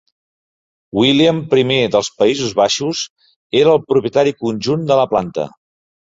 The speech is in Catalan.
William I dels Països Baixos era el propietari conjunt de la planta.